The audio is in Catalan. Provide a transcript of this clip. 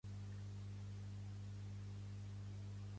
A ca l'afartapobres.